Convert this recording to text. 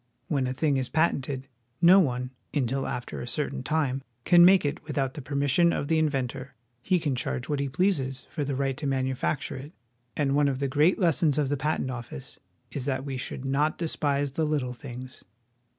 When a thing is patented, no one, until after a certain time, can make it without the permis sion of the inventor. He can charge what he pleases for the right to manufacture it ; and one of the great lessons of the Patent Office is that we should not despise the little things.